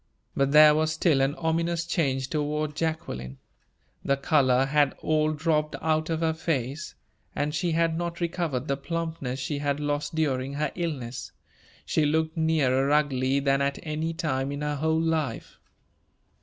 But there was still an ominous change toward Jacqueline. The color had all dropped out of her face, and she had not recovered the plumpness she had lost during her illness. She looked nearer ugly than at any time in her whole life.